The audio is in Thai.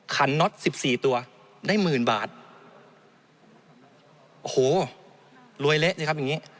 คันน็อต๑๔ตัวได้๑๐๐๐๐บาทโอ้โหรวยเละสิครับอย่างนี้